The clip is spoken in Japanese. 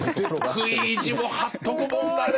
食い意地も張っとくもんだね！